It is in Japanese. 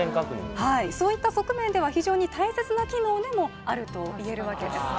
はいそういった側面では非常に大切な機能でもあるといえるわけです